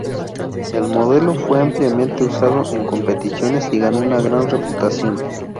El modelo fue ampliamente usado en competiciones y ganó una gran reputación.